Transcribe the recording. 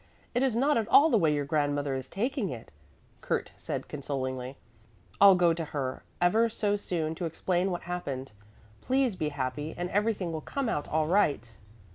It is not at all the way your grandmother is taking it," Kurt said consolingly. "I'll go to her ever so soon to explain what happened. Please be happy and everything will come out all right."